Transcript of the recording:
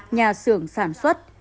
nhà xưởng sản xuất